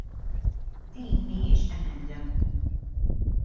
Din mhijiex emenda.